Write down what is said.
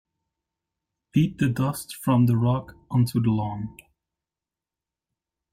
Beat the dust from the rug onto the lawn.